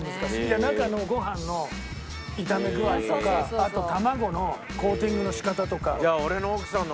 中のご飯の炒め具合とかあと卵のコーティングの仕方とか。